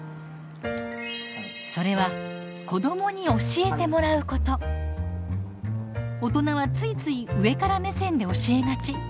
それは大人はついつい上から目線で教えがち。